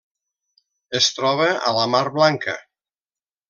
Es troba a la Mar Blanca.